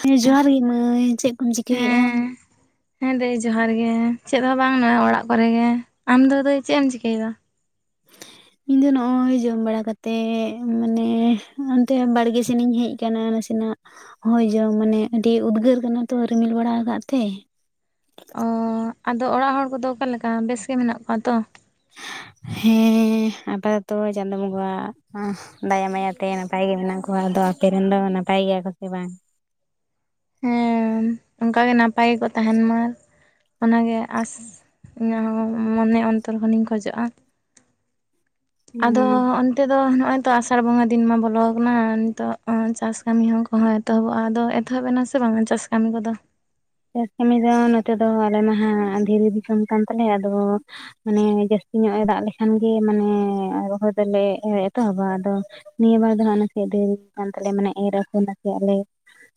ᱦᱮᱸ ᱡᱚᱦᱟᱨ ᱜᱮ ᱢᱟᱹᱭ ᱪᱮᱫ ᱠᱚᱢ ᱪᱤᱠᱟᱹᱭᱮᱜᱼᱟ? ᱦᱮᱸ ᱦᱮᱸ ᱫᱟᱹᱭ ᱡᱚᱦᱟᱨ ᱜᱮ, ᱪᱮᱫ ᱦᱚᱸ ᱵᱟᱝ ᱱᱚᱜ ᱚᱲᱟᱜ ᱠᱚᱨᱮ ᱜᱮ ᱟᱢ ᱫᱚ ᱫᱟᱹᱭ ᱪᱮᱫ ᱮᱢ ᱪᱤᱠᱟᱹᱭᱮᱫᱟ? [inaudible] ᱤᱧ ᱫᱚ ᱱᱚᱜᱼᱚᱭ ᱡᱚᱢ ᱵᱟᱲᱟ ᱠᱟᱛᱮ ᱢᱟᱱᱮ ᱚᱱᱛᱮ ᱵᱟᱲᱜᱮ ᱥᱮᱱ ᱤᱧ ᱦᱮᱡ ᱟᱠᱟᱱᱟ ᱱᱟᱥᱮ ᱱᱟᱜ ᱾ ᱦᱳᱭ ᱡᱚᱢ ᱢᱟᱱᱮ ᱟᱹᱰᱤ ᱩᱫᱽᱜᱟᱹᱨ ᱠᱟᱱᱟ ᱛᱚ ᱨᱤᱢᱤᱞ ᱵᱟᱲᱟ ᱟᱠᱟᱫ ᱛᱮ᱾ ᱚ ᱟᱫᱚ ᱚᱲᱟᱜ ᱦᱚᱲ ᱠᱚᱫᱚ ᱚᱠᱟᱞᱮᱠᱟ ᱵᱮᱥ ᱜᱮ ᱢᱮᱱᱟᱜ ᱠᱚᱣᱟ ᱛᱚ? ᱦᱮᱸ ᱟᱯᱟᱛᱚᱛᱚ ᱪᱟᱸᱫᱚ ᱵᱚᱸᱜᱟᱣᱟᱜᱼᱼ ᱫᱟᱭᱟ ᱢᱟᱭᱟ ᱛᱮ ᱱᱟᱯᱟᱭ ᱜᱮ ᱢᱮᱱᱟᱜ ᱠᱚᱣᱟ ᱾ ᱟᱫᱚ ᱟᱯᱮ ᱨᱮᱱ ᱫᱚ ᱱᱟᱯᱟᱭ ᱜᱮᱭᱟ ᱠᱚ ᱥᱮ ᱵᱟᱝ? ᱦᱮᱸ ᱚᱱᱠᱟ ᱜᱮ ᱱᱟᱯᱟᱭ ᱜᱮᱠᱚ ᱛᱟᱦᱮᱱ ᱢᱟ ᱚᱱᱟᱜ ᱜᱮ ᱟᱸᱥ ᱾ ᱤᱧᱟᱹᱜ ᱦᱚᱸ ᱢᱚᱱᱮ ᱚᱱᱛᱚᱨ ᱠᱷᱚᱱᱤᱧ ᱠᱷᱚᱡᱚᱜᱼᱟ ᱾ ᱟᱫᱚ ᱦᱩᱸ ᱱᱤᱛᱚᱜ ᱫᱚ ᱱᱚᱜᱼᱚᱭ ᱛᱚ ᱟᱥᱟᱲ ᱵᱚᱸᱜᱟ ᱫᱤᱱ ᱢᱟ ᱵᱚᱞᱚ ᱟᱠᱟᱱᱟ, ᱱᱤᱛᱚᱜ ᱪᱟᱥ ᱠᱟᱹᱢᱤ ᱦᱚᱸᱠᱚ [unintelligible] ᱮᱛᱚᱦᱚᱵᱚᱜᱼᱟ, ᱟᱫᱚ ᱮᱛᱚᱦᱚᱵ ᱮᱱᱟ ᱥᱮ ᱵᱟᱝᱟ ᱪᱟᱥ ᱠᱟᱹᱢᱤ ᱠᱚᱫᱚ? ᱪᱟᱥ ᱠᱟᱹᱢᱤ ᱫᱚ ᱱᱚᱛᱮ ᱫᱚ ᱟᱞᱮ ᱢᱟ ᱫᱷᱤᱨᱤ ᱫᱤᱥᱚᱢ ᱠᱟᱱ ᱛᱟᱞᱮᱭᱟ ᱟᱫᱚ ᱢᱟᱱᱮ ᱡᱟᱹᱥᱛᱤ ᱧᱚᱜ ᱮ ᱫᱟᱜ ᱞᱮᱠᱷᱟᱱ ᱜᱮ, ᱢᱟᱱᱮ ᱨᱚᱦᱚᱭ ᱫᱚᱞᱮ ᱮᱛᱚᱦᱚᱵᱟ ᱟᱫᱚ ᱱᱤᱭᱟᱹ ᱵᱟᱨ ᱫᱚ ᱦᱟᱸᱜ ᱱᱟᱥᱮᱭᱟᱜ ᱫᱮᱨᱤ ᱠᱟᱱ ᱛᱟᱞᱮ ᱢᱟᱱᱮ ᱮᱨ ᱟᱯᱷᱚᱨ ᱱᱟᱥᱮᱭᱟᱜ ᱞᱮ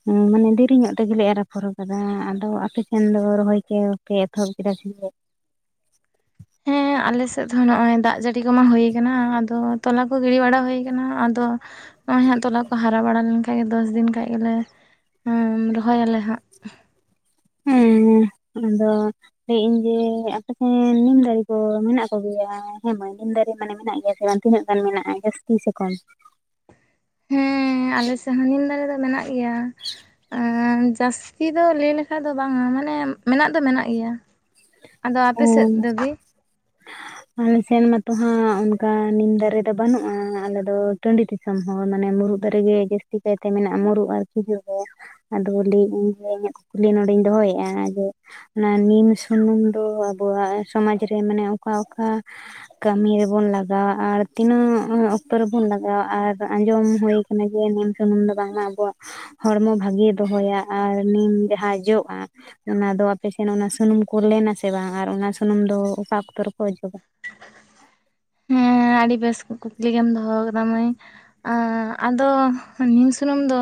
ᱦᱮᱸ, ᱢᱟᱱᱮ ᱫᱮᱨᱤ ᱧᱚᱜ ᱛᱮᱜᱮᱞᱮ ᱮᱨ ᱟᱯᱷᱚᱨ ᱠᱟᱫᱟ᱾ ᱟᱫᱚ ᱟᱯᱮ ᱥᱮᱱ ᱫᱚ ᱨᱚᱦᱚᱭ ᱜᱮᱯᱮ ᱮᱛᱚᱦᱚᱵ ᱠᱮᱫᱟ ᱥᱮ? ᱦᱮᱸ, ᱟᱞᱮ ᱥᱮᱫ ᱦᱚᱸ ᱱᱚᱜᱼᱚᱭ ᱫᱟᱜ ᱡᱟᱹᱲᱤ ᱠᱚᱢᱟ ᱦᱩᱭ ᱠᱟᱱᱟ, ᱟᱫᱚ ᱛᱚᱞᱟ ᱠᱚ ᱜᱤᱰᱤᱤ ᱵᱟᱲᱟ ᱦᱩᱭ ᱟᱠᱟᱱᱟ ᱟᱫᱚ ᱱᱚᱜᱼᱚᱭ ᱦᱟᱸᱜ ᱛᱚᱞᱟ ᱠᱚ ᱦᱟᱨᱟ ᱵᱟᱲᱟ ᱞᱮᱱᱠᱟᱡ ᱜᱮ ᱫᱚᱥᱫᱤᱱ ᱠᱷᱟᱱ ᱜᱮᱞᱮ ᱨᱚᱦᱚᱭ ᱟᱞᱮ ᱦᱟᱸᱜ ᱾ ᱦᱮᱸ ᱦᱮᱸ ᱟᱫᱚ ᱞᱟᱹᱭᱮᱫ ᱟᱹᱧ ᱡᱮ ᱟᱯᱮ ᱴᱷᱮᱱ ᱱᱤᱢ ᱫᱟᱨᱮ ᱠᱚ ᱢᱮᱱᱟᱜ ᱠᱚ ᱜᱮᱭᱟ? ᱦᱮᱸ ᱢᱟᱹᱭ ᱱᱤᱢ ᱫᱟᱨᱮ ᱢᱟᱱᱮ ᱢᱮᱱᱟᱜ ᱜᱮᱭᱟ ᱥᱮ ᱵᱟᱝ ᱛᱤᱱᱟᱹ ᱜᱟᱱ ᱢᱮᱱᱟᱜᱼᱟ, ᱡᱟᱹᱥᱛᱤ ᱥᱮ ᱠᱚᱢ? ᱦᱩᱸ, ᱟᱞᱮ ᱥᱮᱱ ᱦᱚᱸ ᱱᱤᱢ ᱫᱟᱨᱮ ᱫᱚ ᱢᱮᱱᱟᱜ ᱜᱮᱭᱟ ᱾ ᱡᱟᱹᱥᱛᱤ ᱫᱚ ᱞᱟᱹᱭ ᱞᱮᱠᱷᱟᱡ ᱫᱚ ᱵᱟᱝᱼᱟ, ᱢᱟᱱᱮ ᱢᱮᱱᱟᱜ ᱫᱚ ᱢᱮᱱᱟᱜ ᱜᱮᱭᱟ ᱾ ᱚ ᱟᱞᱮ ᱥᱮᱱ ᱢᱟᱛᱚ ᱦᱟᱸᱜ ᱚᱱᱠᱟ ᱱᱤᱢ ᱫᱟᱨᱮ ᱫᱚ ᱵᱟᱹᱱᱩᱜᱼᱟ, ᱟᱞᱮᱫᱚ ᱴᱟᱺᱰᱤ ᱛᱮ ᱫᱤᱥᱚᱢ ᱦᱚᱲ᱾ ᱢᱟᱱᱮ ᱢᱩᱨᱩᱫ ᱫᱟᱨᱮᱜᱮ ᱡᱟᱹᱥᱛᱤ ᱠᱟᱭᱛᱮ ᱢᱮᱱᱟᱜᱼᱟ ᱢᱩᱨᱩᱜ ᱟᱨ ᱠᱷᱤᱡᱩᱨ ᱨᱮ ᱟᱫᱚ ᱞᱟᱹᱭᱮᱫᱟᱹ ᱡᱮ ᱤᱧᱟᱹᱜ ᱠᱩᱠᱞᱤ ᱱᱚᱸᱰᱮᱧ ᱫᱚᱦᱚᱭᱮᱫᱼᱟ ᱡᱮ ᱚᱱᱟ ᱱᱤᱢ ᱥᱩᱱᱩᱢ ᱫᱚ ᱟᱵᱚᱣᱟᱜ ᱥᱚᱢᱟᱡᱽ ᱨᱮ ᱢᱟᱱᱮ ᱚᱠᱟ ᱚᱠᱟ ᱠᱟᱹᱢᱤ ᱨᱮᱵᱚᱱ ᱞᱟᱜᱟᱣᱟ ᱟᱨ ᱛᱤᱱᱟᱹᱜ ᱚᱠᱛᱚ ᱨᱮᱵᱚᱱ ᱞᱟᱜᱟᱣᱟ ᱟᱨ ᱟᱸᱡᱚᱢ ᱦᱩᱭ ᱟᱠᱟᱱᱟ ᱡᱮ ᱱᱤᱢ ᱥᱩᱱᱩᱢ ᱫᱚ ᱵᱟᱝᱼᱟ ᱟᱵᱚᱣᱟᱜ ᱦᱚᱲᱢᱚ ᱵᱷᱟᱜᱤ ᱫᱚᱦᱚᱭᱟ ᱟᱨ ᱱᱤᱢ ᱡᱟᱦᱟᱸ ᱡᱚᱜᱼᱟ ᱚᱱᱟ ᱫᱚ ᱟᱯᱮ ᱥᱮᱱ ᱚᱱᱟ ᱥᱩᱱᱩᱢ ᱠᱚ ᱠᱚ ᱞᱮᱱᱟᱥᱮ ᱵᱟᱝ ᱟᱨ ᱚᱱᱟ ᱥᱩᱱᱩᱢ ᱫᱚ ᱚᱠᱟ ᱚᱠᱛᱚ ᱨᱮᱠᱚ ᱚᱡᱚᱜᱟ? ᱦᱮᱸ, ᱟᱹᱰᱤ ᱵᱮᱥ ᱠᱩᱠᱞᱤ ᱜᱮᱢ ᱫᱚᱦᱚ ᱠᱟᱫ ᱢᱟᱹᱭ ᱾ ᱟ ᱟᱫᱚ ᱱᱤᱢ ᱥᱩᱱᱩᱢ ᱫᱚ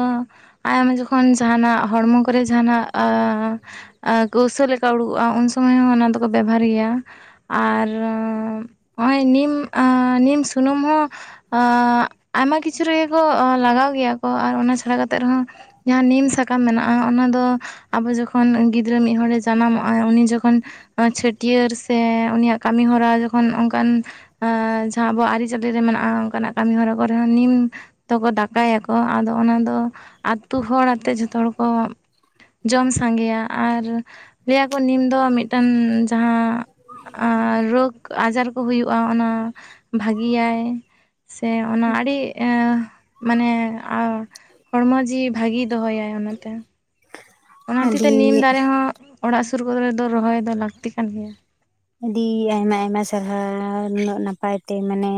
ᱟᱢ ᱡᱚᱠᱷᱚᱱ ᱡᱟᱦᱟᱸᱱᱟᱜ ᱦᱚᱲᱢᱚ ᱠᱚᱨᱮ ᱡᱟᱦᱟᱸᱱᱟᱜ ᱠᱚᱣᱥᱟᱹ ᱞᱮᱠᱟ ᱩᱰᱩᱠᱚᱜᱼᱟ, ᱩᱱ ᱥᱚᱢᱚᱭ ᱦᱚᱸ ᱚᱱᱟ ᱫᱚᱠᱚ ᱵᱮᱵᱚᱦᱟᱨ ᱜᱮᱭᱟ ᱾ ᱟᱨ ᱱᱚᱜᱼᱚᱭ ᱱᱤᱢ ᱱᱤᱢ ᱥᱩᱱᱩᱢ ᱦᱚᱸ ᱟᱭᱢᱟ ᱠᱤᱪᱷᱩ ᱨᱮ ᱜᱮ ᱠᱚ ᱞᱟᱜᱟᱣ ᱜᱮᱭᱟ ᱠᱚ ᱟᱨ ᱚᱱᱟ ᱪᱷᱟᱲᱟ ᱠᱟᱛᱮ ᱨᱮᱦᱚᱸ ᱡᱟᱦᱟᱸ ᱱᱤᱢ ᱥᱟᱠᱟᱢ ᱢᱮᱱᱟᱜᱼᱟ ᱚᱱᱟ ᱫᱚ ᱟᱵᱚ ᱡᱚᱠᱷᱚᱱ ᱜᱤᱫᱽᱨᱟᱹ ᱢᱤᱫ ᱦᱚᱲᱮ ᱡᱟᱱᱟᱢᱚᱜᱼᱟ, ᱩᱱᱤ ᱡᱚᱠᱷᱚᱱ ᱪᱷᱟᱹᱴᱭᱟᱹᱨ ᱥᱮ ᱩᱱᱤᱭᱟᱜ ᱠᱟᱹᱢᱤ ᱦᱚᱨᱟ ᱡᱚᱠᱷᱚᱱ ᱚᱱᱠᱟᱱ ᱮᱸ ᱡᱟᱦᱟᱸ ᱟᱵᱚᱣᱟᱜ ᱟᱹᱨᱤᱪᱟᱹᱞᱤ ᱨᱮ ᱢᱮᱱᱟᱜᱼᱟ, ᱚᱱᱠᱟᱱᱟᱜ ᱠᱟᱹᱢᱤ ᱦᱚᱨᱟ ᱠᱚᱨᱮ ᱦᱚᱸ ᱱᱤᱢ ᱛᱚᱠᱚ ᱫᱟᱠᱟᱭᱟᱠᱚ ᱟᱫᱚ ᱚᱱᱟ ᱫᱚ ᱟᱹᱛᱩ ᱦᱚᱲ ᱟᱛᱮ ᱡᱷᱚᱛᱚ ᱦᱚᱲ ᱠᱚ ᱡᱚᱢ ᱥᱟᱸᱜᱮᱭᱟ ᱟᱨ ᱞᱟᱹᱭ ᱠᱚ ᱱᱤᱢ ᱫᱚ ᱢᱤᱫᱴᱮᱱ ᱡᱟᱦᱟᱸ ᱨᱳᱜᱽ ᱟᱡᱟᱨ ᱠᱚ ᱦᱩᱭᱩᱜᱼᱟ ᱚᱱᱟ ᱵᱷᱟᱜᱤ ᱟᱭ ᱥᱮ ᱚᱱᱟ ᱟᱹᱰᱤ ᱢᱟᱱᱮ ᱦᱚᱲᱢᱚ ᱡᱤᱣᱤ ᱵᱷᱟᱹᱜᱤ ᱫᱚᱦᱚᱭ ᱟᱭ ᱚᱱᱟᱛᱮ ᱾ ᱚᱱᱟ ᱦᱚᱛᱮ ᱟᱹᱰᱤ ᱛᱮ ᱱᱤᱢ ᱫᱟᱨᱮ ᱦᱚᱸ ᱚᱲᱟᱜ ᱥᱩᱨ ᱠᱚᱨᱮ ᱫᱚ ᱨᱚᱦᱚᱭ ᱫᱚ ᱞᱟᱹᱠᱛᱤ ᱠᱟᱱ ᱜᱮᱭᱟ ᱾ ᱟᱹᱰᱤ ᱟᱭᱢᱟ ᱟᱭᱢᱟ ᱥᱟᱨᱦᱟᱣ ᱩᱱᱟᱹᱜ ᱱᱟᱯᱟᱭ ᱛᱮ ᱢᱟᱱᱮ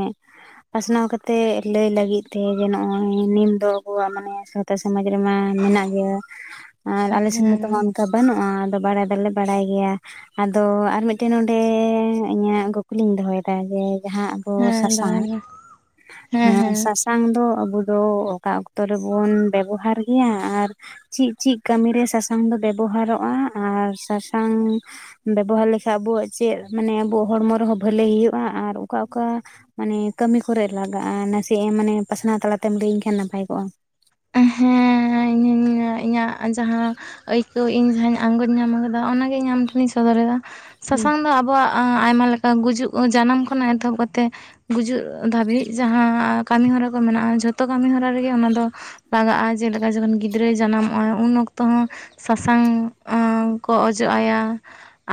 ᱯᱟᱥᱱᱟᱣ ᱠᱟᱛᱮ ᱞᱟᱹᱭ ᱞᱟᱹᱜᱤᱫ ᱛᱮ ᱡᱮ ᱱᱚᱜᱼᱚᱭ ᱱᱤᱢ ᱫᱚ ᱟᱵᱚᱣᱟᱜ ᱢᱟᱱᱮ ᱥᱟᱶᱛᱟ ᱥᱚᱢᱟᱡᱽ ᱨᱮᱢᱟ ᱢᱮᱱᱟᱜ ᱜᱮᱭᱟ᱾ ᱟᱨ ᱟᱞ ᱥᱮᱱ ᱢᱟᱛ ᱦᱮᱸ ᱚᱱᱠᱟ ᱵᱟᱱᱩᱜᱼᱟ᱾ ᱟᱫᱚ ᱵᱟᱲᱟᱭ ᱫᱚᱞᱮ ᱵᱟᱲᱟᱭ ᱜᱮᱭᱟ, ᱟᱫᱚ ᱟᱨ ᱢᱤᱫᱴᱮᱱ ᱢᱤᱫᱴᱮᱱ ᱱᱚᱰᱮ ᱤᱧᱟᱹᱜ ᱠᱩᱠᱞᱤᱧ ᱫᱚᱦᱚᱭᱮᱫᱟ ᱡᱮ ᱡᱟᱦᱟᱸᱼᱼ ᱚ ᱦᱮᱸ ᱥᱟᱥᱟᱝ ᱫᱚᱦᱚᱭ ᱢᱮ ᱦᱮᱸ ᱥᱟᱥᱟᱝᱼᱼ ᱥᱟᱥᱟᱝ ᱫᱚ ᱟᱵᱚ ᱫᱚ ᱚᱠᱟ ᱚᱠᱛᱚ ᱨᱮᱵᱚᱱ ᱵᱮᱵᱚᱦᱟᱨ ᱜᱮᱭᱟ ᱟᱨᱼᱼ ᱪᱤᱜ ᱪᱤᱜ ᱠᱟᱹᱢᱤᱨᱮ ᱥᱟᱥᱟᱝ ᱫᱚ ᱵᱮᱵᱚᱦᱟᱨᱚᱜᱼᱟ ᱟᱨ ᱥᱟᱥᱟᱝ ᱵᱮᱵᱚᱦᱟᱨ ᱞᱮᱠᱷᱟᱱᱼᱼ ᱟᱵᱚᱣᱟᱜ ᱪᱮᱫ ᱢᱟᱱᱮ ᱟᱵᱚᱣᱟᱜ ᱦᱚᱲᱢᱚ ᱨᱮᱦᱚᱸ ᱵᱷᱟᱹᱞᱮ ᱦᱩᱭᱩᱜᱼᱟ ᱟᱨ ᱚᱠᱟ ᱚᱠᱟᱼᱼ ᱢᱟᱱᱮ ᱠᱟᱹᱢᱤ ᱠᱚᱨᱮ ᱞᱟᱜᱟᱜᱼᱟ ᱱᱟᱥᱮ ᱮᱢ ᱢᱟᱱᱮ ᱯᱟᱥᱱᱟᱣ ᱛᱟᱞᱟᱛᱮᱢ ᱞᱟᱹᱭᱟᱹᱧ ᱠᱷᱟᱱ ᱱᱟᱯᱟᱭ ᱠᱚᱜᱼᱟ᱾ ᱦᱮᱸ ᱤᱧ ᱤᱧᱟᱹᱜ ᱡᱟᱦᱟᱸᱼᱼ ᱟᱹᱭᱠᱟᱹᱣ ᱤᱧ ᱡᱟᱦᱟᱸᱧ ᱟᱸᱜᱚᱪ ᱧᱟᱢ ᱠᱟᱫᱟ ᱚᱱᱟᱜᱮ ᱤᱧ ᱟᱢ ᱴᱷᱮᱱᱤᱧ ᱥᱚᱫᱚᱨᱮᱫᱟ ᱦᱮᱸ ᱥᱟᱥᱟᱝ ᱫᱚ ᱟᱵᱚᱣᱟᱜᱼᱼ ᱟᱭᱢᱟ ᱞᱮᱠᱟ ᱜᱩᱡᱩᱜ ᱡᱟᱱᱟᱢ ᱠᱷᱚᱱᱟᱜ ᱮᱛᱚᱦᱚᱵ ᱠᱟᱛᱮᱼᱼ ᱜᱩᱡᱩᱜ ᱫᱷᱟᱹᱵᱤᱡ ᱡᱟᱦᱟᱸ ᱠᱟᱹᱢᱤ ᱦᱚᱨᱟ ᱠᱚ ᱢᱮᱱᱟᱜᱼᱟ ᱡᱷᱚᱛᱚ ᱠᱟᱹᱢᱤ ᱦᱚᱨᱟ ᱨᱮᱜᱮ ᱚᱱᱟ ᱫᱚ, ᱞᱟᱜᱟᱜᱼᱟ ᱡᱮᱞᱮᱠᱟ ᱡᱚᱠᱷᱚᱱ ᱜᱤᱫᱽᱨᱟᱹᱭ ᱡᱟᱱᱟᱢᱚᱜᱼᱟ ᱩᱱ ᱚᱠᱛᱚ ᱦᱚᱸᱼᱼ ᱥᱟᱥᱟᱝ ᱠᱚ ᱚᱡᱚᱜ ᱟᱭᱟ᱾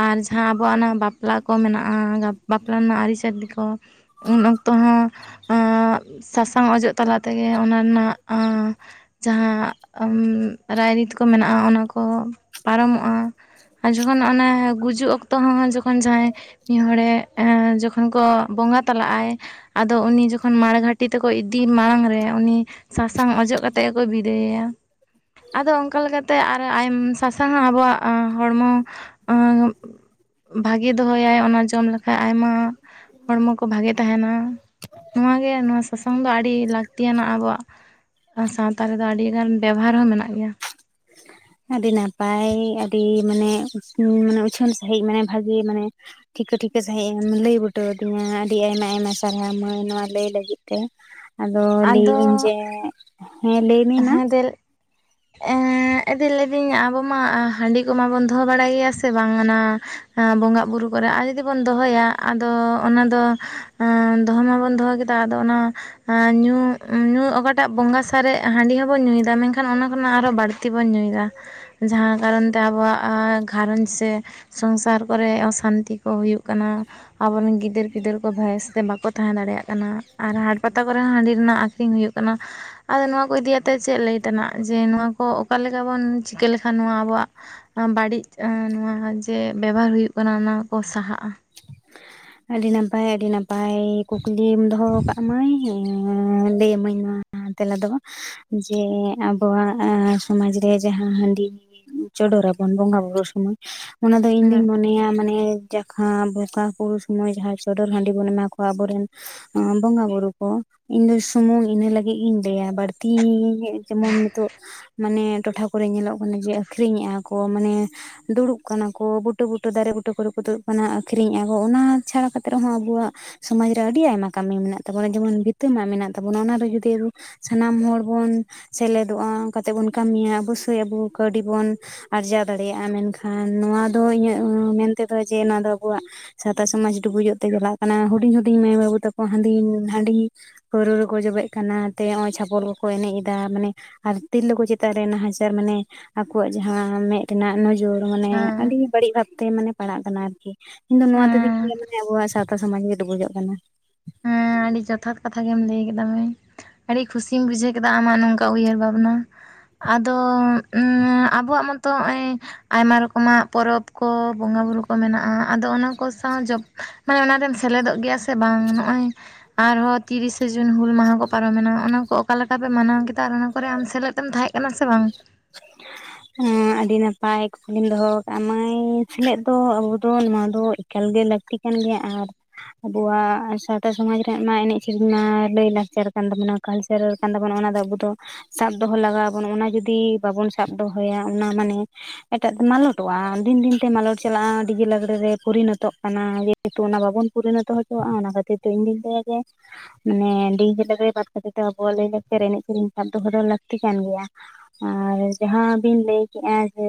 ᱟᱨ ᱡᱟᱦᱟᱸ ᱟᱵᱚᱣᱟᱜ ᱚᱱᱟ ᱵᱟᱯᱞᱟ ᱠᱚ ᱢᱮᱱᱟᱜᱼᱟ ᱵᱟᱯᱞᱟ ᱨᱮᱱᱟᱜ ᱟᱹᱨᱤᱪᱟᱹᱞᱤ ᱠᱚ ᱾ ᱩᱱ ᱚᱠᱛᱚ ᱦᱚᱸ ᱥᱟᱥᱟᱝ ᱚᱡᱚᱜ ᱛᱟᱞᱟ ᱛᱮᱜᱮ ᱚᱱᱟ ᱨᱮᱱᱟᱜᱼᱼ ᱡᱟᱦᱟᱸ ᱨᱟᱭᱨᱤᱛ ᱠᱚ ᱢᱮᱱᱟᱜᱼᱟ ᱚᱱᱟ ᱠᱚ ᱯᱟᱨᱚᱢᱚᱜᱼᱟ᱾ ᱟᱨ ᱡᱚᱠᱷᱚᱱ ᱚᱱᱟ ᱜᱩᱡᱩᱜ ᱚᱠᱛᱚ ᱦᱚᱸ ᱡᱚᱠᱷᱚᱱ ᱡᱟᱦᱟᱸᱭᱼᱼ ᱢᱤᱫ ᱦᱚᱲᱮ ᱡᱚᱠᱷᱚᱱ ᱠᱚ ᱵᱚᱸᱜᱟ ᱛᱟᱞᱟᱜ ᱟᱭᱼᱼ ᱟᱫᱚ ᱩᱱᱤ ᱡᱚᱠᱷᱚᱱ ᱢᱟᱲᱜᱷᱟᱴᱤ ᱛᱮᱠᱚ ᱤᱫᱤ ᱢᱟᱲᱟᱝ ᱨᱮ ᱩᱱᱤ ᱥᱟᱥᱟᱝ ᱚᱡᱚᱜ ᱠᱟᱛᱮᱼᱼ ᱛᱮ ᱜᱮ ᱠᱚ ᱵᱤᱫᱟᱹᱭᱮᱭᱟ᱾ ᱟᱫᱚ ᱚᱱᱠᱟ ᱞᱮᱠᱟᱛᱮ ᱟᱨᱚ ᱟᱭ ᱥᱟᱥᱟᱝ ᱦᱚᱸ ᱟᱵᱚᱣᱟᱜ ᱦᱚᱲᱢᱚ, ᱵᱷᱟᱜᱮ ᱫᱚᱦᱚᱭᱟᱭ ᱚᱱᱟ ᱡᱚᱢ ᱞᱮᱠᱷᱟᱱ ᱟᱭᱢᱟᱼᱼ ᱦᱚᱲᱢᱚ ᱠᱚ ᱵᱷᱟᱜᱮ ᱛᱟᱦᱮᱱᱟ ᱱᱚᱣᱟ ᱜᱮ ᱱᱚᱣᱟ ᱥᱟᱥᱟᱝ ᱫᱚ ᱟᱹᱰᱤ ᱞᱟᱹᱠᱛᱤᱭᱟᱱᱟᱜ ᱟᱵᱚᱣᱟᱜᱼᱼ ᱥᱟᱶᱛᱟ ᱨᱮᱫᱚ ᱟᱹᱰᱤ ᱜᱟᱱ ᱵᱮᱵᱚᱦᱟᱨ ᱦᱚᱸ ᱢᱮᱱᱟᱜ ᱜᱮᱭᱟ᱾ [inaudible] ᱟᱹᱰᱤ ᱱᱟᱯᱟᱭ ᱟᱹᱰᱤ ᱢᱟᱱᱮ ᱢᱟᱱᱮ ᱩᱪᱷᱟᱹᱱ ᱥᱟᱺᱦᱤᱡ ᱢᱟᱱᱮ ᱵᱷᱟᱜᱮ ᱢᱟᱱᱮᱼᱼ ᱴᱷᱤᱠᱟᱹ ᱴᱷᱤᱠᱟᱹ ᱥᱟᱺᱦᱤᱡ ᱮᱢ ᱞᱟᱹᱭ ᱵᱩᱴᱟᱹ ᱟᱹᱫᱤᱧᱟ ᱟᱹᱰᱤ ᱟᱭᱢᱟ ᱟᱭᱢᱟ ᱥᱟᱨᱦᱟᱣ ᱢᱟᱹᱭ ᱱᱚᱣᱟ ᱞᱟᱹᱭ ᱞᱟᱹᱜᱤᱫ ᱛᱮ᱾ ᱟᱫᱚ ᱞᱟᱹᱭᱟᱹᱧ ᱟᱫᱚ ᱡᱮ ᱦᱮᱸ ᱞᱟᱹᱭᱼᱼ ᱦᱮᱸ ᱫᱮᱞ ᱮᱸᱼᱼ ᱦᱮᱸ ᱫᱤ ᱞᱟᱹᱭᱫᱟᱹᱧ ᱟᱵᱚ ᱢᱟ ᱦᱟᱺᱰᱤ ᱠᱚᱢᱟᱵᱚᱱ ᱫᱚᱦᱚ ᱵᱟᱲᱟᱭ ᱜᱮᱭᱟ ᱥᱮ ᱵᱟᱝ ᱚᱱᱟ, ᱵᱚᱸᱜᱟ ᱵᱩᱨᱩ ᱠᱚᱨᱮ ᱟᱨ ᱡᱩᱚᱫᱤ ᱵᱚᱱ ᱫᱚᱦᱚᱭᱟ ᱟᱫᱚ ᱚᱱᱟ ᱫᱚ ᱫᱚᱦᱚ ᱢᱟᱵᱚᱱ ᱫᱚᱦᱚᱼᱼ ᱟᱫᱚ ᱚᱱᱟ ᱧᱩ ᱧᱩ ᱚᱠᱟᱴᱟᱜ ᱵᱚᱸᱜᱟ ᱥᱟᱨᱮᱜᱼᱼ ᱦᱟᱺᱰᱤ ᱦᱚᱸ ᱵᱚᱱ ᱧᱩᱭᱮᱫᱟ ᱢᱮᱱᱠᱷᱟᱱ ᱚᱱᱟ ᱠᱷᱚᱱᱟᱜ ᱟᱨᱦᱚ ᱵᱟᱹᱲᱛᱤ ᱵᱚᱱ ᱧᱩᱭᱮᱫᱟ᱾ ᱡᱟᱦᱟᱸ ᱠᱟᱨᱚᱱ ᱛᱮ ᱟᱵᱚᱣᱟᱜ ᱜᱷᱟᱨᱚᱸᱡᱽ ᱥᱮᱼᱼ ᱥᱚᱝᱥᱟᱨ ᱠᱚᱨᱮᱜ ᱚᱥᱟᱱᱛᱤ ᱠᱚ ᱦᱩᱭᱩᱜ ᱠᱟᱱᱟ ᱟᱵᱚᱨᱮᱱ ᱜᱤᱫᱟᱹᱨ ᱯᱤᱫᱟᱹᱨ ᱠᱚ ᱵᱷᱚᱭᱮᱥᱛᱮ ᱵᱟᱠᱚᱼᱼ ᱛᱟᱦᱮᱸ ᱫᱟᱲᱮᱭᱟᱜ ᱠᱟᱱᱟ ᱟᱨ ᱦᱟᱴ ᱯᱟᱛᱟ ᱠᱚᱨᱮ ᱦᱚᱸ ᱦᱟᱺᱰᱤ ᱨᱮᱱᱟᱜ ᱟᱠᱷᱨᱤᱧ ᱦᱩᱭᱩᱜ ᱠᱟᱱᱟ ᱟᱫᱚ ᱱᱚᱣᱟ ᱠᱚᱼᱼ ᱠᱚ ᱤᱫᱤᱭᱟᱛ ᱪᱮᱫ ᱞᱟᱹᱭ ᱛᱮᱱᱟᱜ ᱡᱮ ᱱᱚᱣᱟ ᱠᱚ ᱚᱠᱟ ᱞᱮᱠᱟ ᱵᱚᱱ ᱪᱤᱠᱟᱹ ᱞᱮᱠᱷᱟᱱ ᱱᱚᱣᱟ ᱟᱵᱚᱣᱟᱜᱼᱼ ᱵᱟᱹᱲᱤᱡ ᱱᱚᱣᱟ ᱡᱮ ᱵᱮᱵᱟᱨ ᱦᱩᱭᱩᱜ ᱠᱟᱱᱟ ᱚᱱᱟ ᱠᱚ ᱥᱟᱦᱟᱜᱼᱟ᱾ ᱟᱹᱰᱤ ᱱᱟᱯᱟᱭ ᱟᱹᱰᱤ ᱱᱟᱯᱟᱭ ᱠᱩᱠᱞᱤᱢ ᱫᱚᱦᱚᱣᱟ ᱠᱟᱜ ᱢᱟᱹᱭᱻ ᱞᱟᱹᱭ ᱢᱟᱹᱧ‌ ᱱᱚᱣᱟᱼᱼ ᱛᱮᱞᱟ ᱫᱚ ᱡᱮ ᱟᱵᱚᱣᱟᱜ ᱥᱚᱢᱟᱡᱽ ᱨᱮ ᱡᱟᱦᱟᱸ ᱦᱟᱺᱰᱤᱼᱼ ᱪᱚᱰᱚᱨᱟᱵᱚᱱ ᱵᱚᱸᱜᱟ ᱵᱩᱨᱩ ᱥᱚᱢᱚᱭ ᱚᱱᱟ ᱫᱚ ᱦᱮᱸ ᱤᱧᱫᱩᱧ ᱢᱚᱱᱮᱭᱟ ᱢᱟᱱᱮ ᱡᱟᱦᱟᱸᱼᱼ ᱚᱠᱟ ᱯᱩᱨᱩ ᱥᱚᱢᱚᱭ ᱡᱟᱦᱟᱸᱭ ᱪᱚᱰᱚᱨ ᱦᱟᱺᱰᱤ ᱵᱚᱱ ᱮᱢᱟ ᱠᱚᱣᱟ ᱟᱵᱚᱨᱮᱱ ᱵᱚᱸᱜᱟ ᱵᱩᱨᱩ ᱠᱚ, ᱤᱱᱟᱹ ᱥᱩᱢᱩᱝ ᱤᱱᱟᱹ ᱞᱟᱹᱜᱤᱫ ᱜᱤᱧ ᱞᱟᱹᱭᱟ ᱵᱟᱹᱲᱛᱤ ᱡᱮᱢᱚᱱ ᱱᱤᱛᱚᱜᱼᱼ ᱢᱟᱱᱮ ᱴᱚᱴᱷᱟ ᱠᱚᱨᱮᱜ ᱧᱮᱞᱚᱜ ᱠᱟᱱᱟ ᱡᱮ ᱟᱹᱷᱨᱤᱧᱮᱫᱼᱟ ᱠᱚ ᱢᱟᱱᱮᱼᱼ ᱫᱩᱲᱩᱵ ᱠᱟᱱᱟ ᱠᱚ ᱵᱩᱴᱟᱹ ᱵᱩᱴᱟᱹ ᱫᱟᱨᱮ ᱵᱩᱴᱟᱹ ᱠᱚᱨᱮ ᱠᱚ ᱫᱩᱲᱩᱵ ᱠᱟᱱᱟ᱾ ᱟᱹᱠᱷᱨᱤᱧ ᱟᱠᱚ ᱚᱱᱟ ᱪᱷᱟᱲᱟ ᱠᱟᱛᱮᱫ ᱨᱮᱦᱚᱸ ᱟᱵᱚᱣᱟᱜ ᱥᱚᱢᱟᱡ ᱨᱮ ᱟᱹᱰᱤ ᱟᱭᱢᱟ ᱠᱟᱹᱢᱤ ᱢᱮᱱᱟᱜ ᱛᱟᱵᱚᱱᱟ ᱡᱮᱢᱚᱱ ᱵᱷᱤᱛᱟᱹ ᱢᱟᱜ ᱢᱮᱱᱟᱜ ᱛᱟᱵᱚᱱᱟ ᱚᱱᱟᱨᱮ ᱡᱩᱫᱤ ᱟᱵᱚ ᱥᱟᱱᱟᱢ ᱦᱚᱲ ᱵᱚᱱ ᱥᱮᱞᱮᱫᱚᱜ-ᱟ ᱚᱱᱠᱟ ᱠᱟᱛᱮᱜ ᱵᱚᱱ ᱠᱟᱹᱢᱤᱭᱟ ᱚᱵᱚᱥᱳᱭ ᱟᱵᱚ ᱠᱟᱹᱣᱰᱤ ᱵᱚᱱ ᱟᱨᱡᱟᱣ ᱫᱟᱲᱮᱭᱟᱜ-ᱟ ᱢᱮᱱᱠᱷᱟᱱ ᱱᱚᱣᱟ ᱫᱚ ᱤᱧᱟᱹᱜ ᱢᱮᱱ ᱛᱮᱫᱚ ᱡᱮ ᱱᱚᱣᱟ ᱫᱚ ᱟᱵᱚᱣᱟᱜ ᱥᱟᱶᱛᱟ ᱥᱚᱢᱟᱡᱽ ᱰᱩᱵᱩᱡᱚᱜ ᱛᱮ ᱪᱟᱞᱟᱜ ᱠᱟᱱᱟ ᱦᱩᱰᱤᱧ ᱦᱩᱰᱤᱧ ᱢᱟᱹᱭ ᱵᱟᱹᱵᱩ ᱛᱟᱠᱚ ᱦᱟᱹᱰᱤ ᱦᱟᱹᱰᱤ ᱯᱟᱹᱨᱣᱟᱹ ᱨᱮᱠᱚ ᱡᱚᱵᱮᱜ ᱠᱟᱱᱟ ᱛᱮ ᱱᱚᱜ-ᱚᱭ ᱪᱷᱟᱯᱚᱞ ᱠᱚᱠᱚ ᱮᱱᱮᱡ ᱮᱫᱟ ᱢᱟᱱᱮ ᱟᱨ ᱛᱤᱨᱞᱟᱹ ᱠᱚ ᱪᱮᱛᱟᱱ ᱨᱮ ᱱᱟᱦᱟᱪᱟᱨ ᱢᱟᱱᱮ ᱟᱠᱚᱣᱟᱜ ᱡᱟᱦᱟᱸ ᱢᱮᱫ ᱨᱮᱱᱟᱜ ᱱᱚᱡᱚᱨ ᱦᱮᱸ ᱟᱹᱰᱤ ᱵᱟᱹᱲᱤᱡ ᱵᱷᱟᱵᱛᱮ ᱯᱟᱲᱟᱜ ᱠᱟᱱᱟ ᱟᱨᱠᱤ ᱤᱧᱫᱚ ᱱᱚᱣᱟ ᱛᱮ ᱫᱤᱠ ᱦᱮᱸ ᱫᱤᱭᱮ ᱢᱟᱱᱮ ᱟᱵᱚᱣᱟᱜ ᱥᱟᱣ ᱛᱟ ᱥᱚᱢᱟᱡᱽ ᱜᱮ ᱰᱩᱵᱩᱡᱚᱜ ᱠᱟᱱᱟ᱾ ᱦᱮᱸ ᱟᱹᱰᱤ ᱡᱚᱛᱷᱟᱛ ᱠᱟᱛᱷᱟ ᱜᱮᱢ ᱞᱟᱹᱭ ᱟᱠᱟᱫᱟ ᱢᱟᱹᱭ ᱟᱹᱰᱤ ᱠᱷᱩᱥᱤᱧ ᱵᱩᱡᱷᱟᱹᱣ ᱠᱮᱫᱟ ᱟᱢᱟᱜ ᱱᱚᱝᱠᱟ ᱩᱭᱦᱟᱹᱨ ᱵᱷᱟᱵᱽᱱᱟ ᱟᱫᱚ ᱟᱵᱚᱣᱟᱜ ᱢᱚᱛᱚ ᱱᱚᱜ-ᱚᱭ ᱟᱭᱢᱟ ᱨᱚᱠᱚᱢᱟᱜ ᱯᱚᱨᱚᱵᱽ ᱠᱚ ᱵᱚᱸᱜᱟ ᱵᱩᱨᱩ ᱠᱚ ᱢᱮᱱᱟᱜ-ᱟ ᱟᱫᱚ ᱚᱱᱟ ᱠᱚ ᱥᱟᱶ ᱡᱚᱵ ᱢᱟᱱᱮ ᱚᱱᱟᱨᱮᱢ ᱥᱮᱞᱮᱫᱚᱜ ᱜᱮᱭᱟ ᱥᱮ ᱵᱟᱝ ᱱᱚᱜ-ᱚᱭ ᱟᱨᱦᱚᱸ ᱛᱤᱨᱤᱥᱮ ᱡᱩᱱ ᱦᱩᱞ ᱢᱟᱦᱟ ᱠᱚ ᱯᱟᱨᱚᱢᱮᱱᱟ ᱚᱱᱟ ᱠᱚ ᱚᱠᱟ ᱞᱮᱠᱟ ᱯᱮ ᱢᱟᱱᱟᱣ ᱠᱮᱫᱟ ᱟᱨ ᱚᱱᱟ ᱠᱚᱨᱮ ᱟᱢ ᱥᱮᱞᱮᱫ ᱛᱮᱢ ᱛᱟᱦᱮᱸᱫ ᱠᱟᱱᱟ ᱥᱮ ᱵᱟᱝ? [inaudible] ᱮᱸ ᱟᱹᱰᱤ ᱱᱟᱯᱟᱭ ᱠᱩᱠᱞᱤᱢ ᱫᱚᱦᱚ ᱟᱠᱟᱫ-ᱟ ᱢᱟᱹᱭ ᱥᱮᱞᱮᱫ ᱫᱚ ᱟᱵᱚ ᱫᱚ ᱱᱚᱣᱟ ᱫᱚ ᱮᱠᱟᱞ ᱜᱮ ᱞᱟᱹᱠᱛᱤ ᱠᱟᱱ ᱜᱮᱭᱟ ᱟᱨ ᱟᱵᱚᱣᱟᱜ ᱥᱟᱶᱛᱟ ᱥᱚᱢᱟᱡᱽ ᱨᱮᱭᱟᱜ ᱢᱟ ᱮᱱᱮᱡ ᱥᱮᱨᱮᱧ ᱢᱟ ᱞᱟᱹᱭ ᱞᱟᱠᱪᱟᱨ ᱠᱟᱱ ᱛᱟᱵᱚᱱᱟ᱾ ᱠᱟᱞᱪᱟᱨ ᱠᱟᱱ ᱛᱟᱵᱚᱱᱟ ᱚᱱᱟ ᱫᱚ ᱟᱵᱚ ᱫᱚ ᱥᱟᱵ ᱫᱚᱦᱚ ᱞᱟᱜᱟᱣ ᱟᱵᱚᱱᱟ ᱚᱱᱟ ᱡᱩᱫᱤ ᱵᱟᱵᱚᱱ ᱥᱟᱵ ᱫᱚᱦᱚᱭᱟ ᱚᱱᱟ ᱢᱟᱱᱮ ᱮᱴᱟᱜ ᱛᱮ ᱢᱟᱞᱚᱴᱚᱜ-ᱟ ᱫᱤᱱ ᱫᱤᱱᱛᱮ ᱢᱟᱞᱚᱴ ᱪᱟᱞᱟᱜ-ᱟ ᱰᱤᱡᱮ ᱞᱟᱜᱽᱲᱮ ᱨᱮ ᱯᱚᱨᱤᱱᱚᱛᱚᱜ ᱠᱟᱱᱟ᱾ ᱡᱮᱦᱮᱛᱩ ᱚᱱᱟ ᱵᱟᱵᱚᱱ ᱯᱚᱨᱤᱱᱚᱛᱚ ᱦᱚᱪᱚᱣᱟᱜ-ᱟ ᱚᱱᱟ ᱠᱷᱟᱹᱛᱤᱨ ᱛᱮ ᱤᱧᱫᱩᱧ ᱞᱟᱹᱭᱟ ᱡᱮ ᱢᱟᱱᱮ ᱰᱤᱡᱮ ᱞᱟᱜᱽᱲᱮ ᱵᱟᱫ ᱠᱟᱛᱮᱜ ᱟᱵᱚᱣᱟᱜ ᱞᱟᱹᱭ ᱞᱟᱠᱪᱟᱨ ᱮᱱᱮᱡ ᱥᱮᱨᱮᱧ ᱥᱟᱵ ᱫᱚᱦᱚ ᱫᱚ ᱞᱟᱹᱠᱛᱤ ᱠᱟᱱ ᱜᱮᱭᱟ᱾ ᱟᱨ ᱡᱟᱦᱟᱸ ᱵᱤᱱ ᱞᱟᱹᱭᱠᱮᱜ-ᱟ ᱡᱮ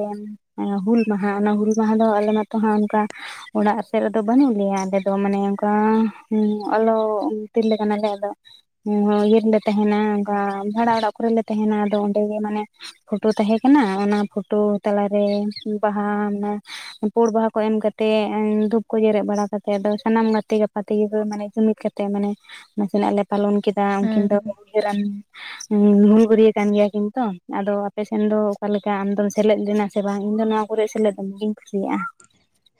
ᱦᱩᱞ ᱢᱟᱦᱟ ᱚᱱᱟ ᱦᱩᱞ ᱢᱟᱦᱟ ᱫᱚ ᱟᱞᱮ ᱢᱟᱛᱚ ᱦᱟᱸᱜ ᱚᱱᱠᱟ ᱚᱲᱟᱜ ᱥᱮᱫ ᱨᱮᱫᱚ ᱵᱟᱹᱱᱩᱜ ᱞᱮᱭᱟ ᱟᱞᱮ ᱫᱚ ᱢᱟᱱᱮ ᱚᱱᱠᱟ ᱟᱞᱚᱜ ᱛᱤᱨᱞᱟᱹ ᱠᱟᱱᱟᱞᱮ ᱟᱫᱚ ᱤᱭᱟᱹ ᱨᱮᱞᱮ ᱛᱟᱦᱮᱱᱟ ᱚᱱᱠᱟ ᱵᱷᱟᱲᱟ ᱚᱲᱟᱜ ᱠᱚᱨᱮᱞᱮ ᱛᱟᱦᱮᱱᱟ ᱟᱫᱚ ᱚᱸᱰᱮ ᱜᱮ ᱢᱟᱱᱮ ᱯᱷᱳᱴᱳ ᱛᱟᱦᱮᱸ ᱠᱟᱱᱟ ᱚᱱᱟ ᱯᱷᱳᱴᱳ ᱛᱟᱞᱟᱨᱮ ᱵᱟᱦᱟ ᱚᱱᱟ ᱯᱩᱲ ᱵᱟᱦᱟ ᱠᱚ ᱮᱢ ᱠᱟᱛᱮᱫ ᱫᱷᱩᱯ ᱠᱚ ᱡᱮᱨᱮᱫ ᱵᱟᱲᱟ ᱠᱟᱛᱮᱜ ᱟᱫᱚ ᱥᱟᱱᱟᱢ ᱜᱟᱛᱮ ᱜᱟᱯᱟ ᱛᱮᱜᱮ ᱢᱟᱱᱮ ᱡᱩᱢᱤᱫ ᱠᱟᱛᱮᱜ ᱢᱟᱱᱮ ᱱᱟᱥᱮᱱᱟᱜ ᱟᱞᱮ ᱯᱟᱞᱚᱱ ᱠᱮᱫᱟ ᱩᱱᱠᱤᱱ ᱫᱚ ᱦᱮᱸ ᱩᱭᱦᱟᱹᱨᱟᱱ ᱦᱩᱞ ᱜᱟᱹᱨᱤᱭᱟᱹ ᱠᱟᱱ ᱜᱮᱭᱟ ᱠᱤᱱ ᱛᱚ ᱟᱫᱚ ᱟᱯᱮ ᱥᱮᱱ ᱫᱚ ᱚᱠᱟ ᱞᱮᱠᱟ ᱟᱢᱫᱚᱢ ᱥᱮᱞᱮᱫ ᱞᱮᱱᱟ ᱥᱮ ᱵᱟᱝ ᱤᱧ ᱫᱚ ᱱᱚᱣᱟ ᱠᱚᱨᱮ ᱥᱮᱞᱮᱫ ᱫᱚᱢᱮᱜ ᱜᱮᱧ ᱠᱩᱥᱤᱭᱟᱜ-ᱟ᱾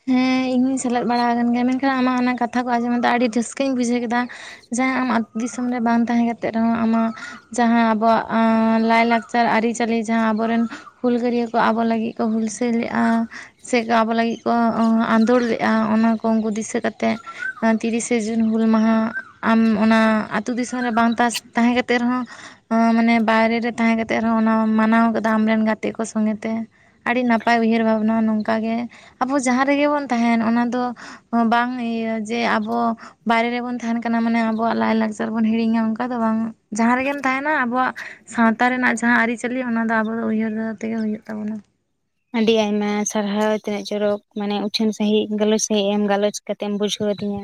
ᱦᱮᱸ ᱤᱧ ᱦᱚᱸᱧ ᱥᱮᱞᱮᱫ ᱵᱟᱲᱟ ᱟᱠᱟᱱ ᱜᱮᱭᱟ ᱢᱮᱱᱠᱷᱟᱱ ᱟᱢᱟᱜ ᱚᱱᱟ ᱠᱟᱛᱷᱟ ᱠᱚ ᱟᱸᱡᱚᱢ ᱫᱟ ᱟᱹᱰᱤ ᱨᱟᱹᱥᱠᱟᱹᱧ ᱵᱩᱡᱷᱟᱹᱣ ᱠᱮᱫᱟ ᱡᱟᱦᱟᱸ ᱟᱢ ᱟᱛᱳ ᱫᱤᱥᱚᱢ ᱨᱮ ᱵᱟᱝ ᱛᱟᱦᱮᱸ ᱠᱟᱛᱮᱫ ᱨᱮᱦᱚᱸ ᱟᱢᱟᱜ ᱡᱟᱦᱟᱸ ᱟᱵᱚᱣᱟᱜ ᱞᱟᱹᱭᱞᱟᱠᱪᱟᱨ ᱟᱹᱨᱤᱪᱟᱹᱞᱤ ᱡᱟᱦᱟᱸ ᱟᱵᱚᱨᱮᱱ ᱦᱩᱞᱜᱟᱹᱨᱭᱟᱹ ᱠᱚ ᱟᱵᱚ ᱞᱟᱹᱜᱤᱫ ᱠᱚ ᱦᱩᱞᱥᱟᱹᱭ ᱞᱮᱫ-ᱟ ᱥᱮᱠᱚ ᱟᱵᱚ ᱞᱟᱹᱜᱤᱫ ᱠᱚ ᱟᱸᱫᱳᱲ ᱞᱮᱫ-ᱟ ᱚᱱᱟ ᱠᱚ ᱩᱱᱠᱩ ᱫᱤᱥᱟᱹ ᱠᱟᱛᱮᱫ ᱛᱤᱨᱤᱥᱮ ᱡᱩᱱ ᱦᱩᱞ ᱢᱟᱦᱟ ᱟᱢ ᱚᱱᱟ ᱟᱹᱛᱩ ᱫᱤᱥᱚᱢ ᱨᱮ ᱵᱟᱝ ᱯᱟᱥ ᱛᱟᱦᱮᱸ ᱠᱟᱛᱮᱫ ᱨᱮᱦᱚᱸ ᱢᱟᱱᱮ ᱵᱟᱭᱨᱮ ᱨᱮ ᱛᱟᱦᱮᱸ ᱠᱟᱛᱮᱫ ᱨᱮᱦᱚᱸ ᱚᱱᱟ ᱢᱟᱱᱟᱣ ᱠᱟᱫᱟ ᱟᱢᱨᱮᱱ ᱜᱟᱛᱮ ᱠᱚ ᱥᱚᱸᱜᱮ ᱛᱮ᱾ ᱟᱹᱰᱤ ᱱᱟᱯᱟᱭ ᱩᱭᱦᱟᱹᱨ ᱵᱷᱟᱵᱽᱱᱟ ᱱᱚᱝᱠᱟᱜᱮ ᱟᱵᱚ ᱡᱟᱦᱟᱸ ᱨᱮᱜᱮ ᱵᱚᱱ ᱛᱟᱦᱮᱱ ᱚᱱᱟ ᱫᱚ ᱵᱟᱝ ᱤᱭᱟᱹ ᱡᱮ ᱟᱵᱚ ᱵᱟᱭᱨᱮ ᱨᱮᱵᱚᱱ ᱛᱟᱦᱮᱱ ᱠᱟᱱᱟ ᱢᱟᱱᱮ ᱟᱵᱚᱣᱟᱜ ᱞᱟᱭᱼᱞᱟᱠᱪᱟᱨ ᱵᱚᱱ ᱦᱤᱲᱤᱧᱟ ᱚᱱᱠᱟ ᱫᱚ ᱵᱟᱝ ᱡᱟᱦᱟᱸ ᱨᱮᱜᱮᱢ ᱛᱟᱦᱮᱱᱟ ᱟᱵᱚᱣᱟᱜ ᱥᱟᱶᱛᱟ ᱨᱮᱱᱟᱜ ᱡᱟᱦᱟᱸ ᱟᱹᱨᱤᱪᱟᱹᱞᱤ ᱚᱱᱟ ᱫᱚ ᱟᱵᱚ ᱫᱚ ᱩᱭᱦᱟᱹᱨ ᱛᱮᱜᱮ ᱦᱩᱭᱩᱜ ᱛᱟᱵᱚᱱᱟ᱾ ᱟᱹᱰᱤ ᱟᱭᱢᱟ ᱥᱟᱨᱦᱟᱣ ᱛᱤᱱᱟᱹᱜ ᱪᱚᱨᱚᱠ ᱢᱟᱱᱮ ᱩᱪᱷᱟᱹᱱ ᱥᱟᱹᱦᱤᱡ ᱜᱟᱞᱚᱪ ᱥᱟᱹᱦᱤᱡ ᱜᱟᱞᱚᱪ ᱠᱟᱛᱮ ᱮᱢ ᱵᱩᱡᱷᱟᱹᱣ ᱟᱫᱤᱧᱟ᱾